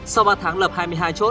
sau ba tháng lập hai mươi hai chỗ